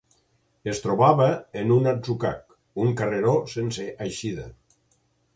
Es trobava en un atzucac, un carreró sense eixida.